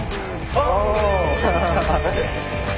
お！